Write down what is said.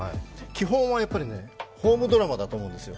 基本はやっぱりホームドラマだと思うんですよ